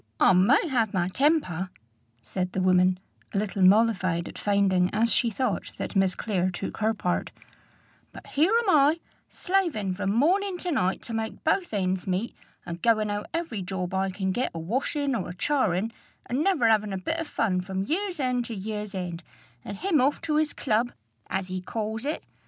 "I may have my temper," said the woman, a little mollified at finding, as she thought, that Miss Clare took her part; "but here am I, slaving from morning to night to make both ends meet, and goin' out every job I can get a washin' or a charin', and never 'avin' a bit of fun from year's end to year's end, and him off to his club, as he calls it!